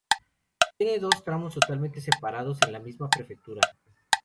Tiene dos tramos totalmente separados en la misma prefectura.